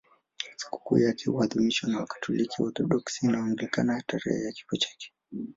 Sikukuu yake huadhimishwa na Wakatoliki, Waorthodoksi na Waanglikana tarehe ya kifo chake.